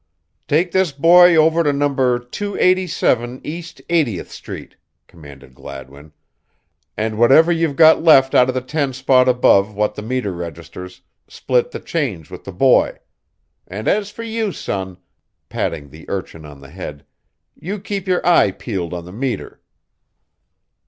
"Take this boy over to No. 287 East Eightieth street," commanded Gladwin, "and whatever you've got left out of the tenspot above what the meter registers, split the change with the boy. And as for you son, patting the urchin on the head, you keep your eye peeled on the meter."